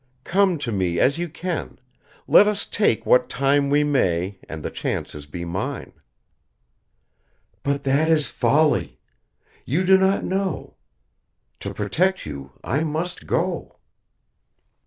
Come to me as you can, let us take what time we may, and the chances be mine." "But that is folly! You do not know. To protect you I must go."